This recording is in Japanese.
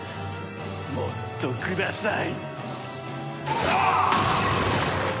もっとください。